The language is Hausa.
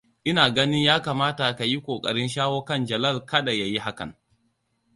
Ina ganin yakamata kayi kokarin shawo kan Jalal kada yayi hakan.